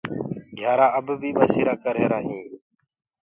گھيآرآ اب بي ٻسيرآ ڪري هينٚ